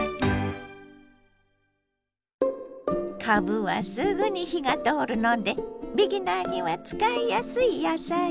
かぶはすぐに火が通るのでビギナーには使いやすい野菜。